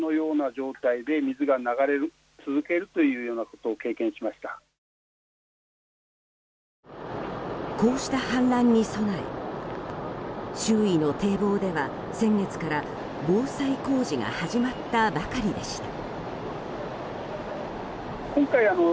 こうした氾濫に備え周囲の堤防では先月から、防災工事が始まったばかりでした。